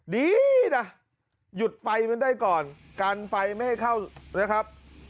ดีนะหยุดไฟมันได้ก่อนกันไฟไม่ให้เข้านะครับ